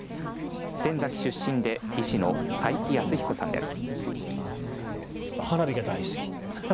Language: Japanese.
仙崎出身で医師の斎木泰彦さんです。